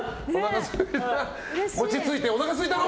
餅ついて、おなかすいたろ？